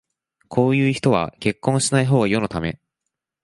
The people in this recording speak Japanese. こういう人は結婚しないほうが世のため